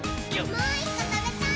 もう１こ、たべたい！